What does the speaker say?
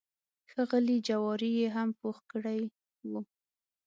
ښه غلي جواري یې هم پوخ کړی و.